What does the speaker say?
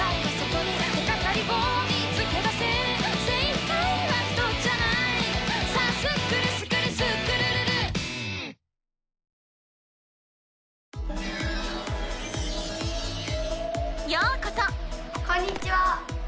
こんにちは！